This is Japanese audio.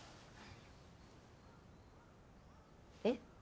えっ？